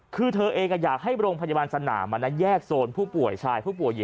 คือเธอเองอยากให้โรงพยาบาลสนามแยกโซนผู้ป่วยชายผู้ป่วยหญิง